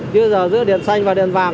nhưng giờ giữa đèn xanh và đèn vàng